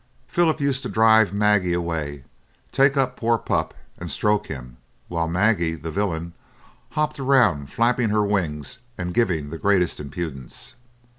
Philip used to drive Maggie away, take up poor Pup and stroke him, while Maggie, the villain, hopped around, flapping her wings and giving the greatest impudence.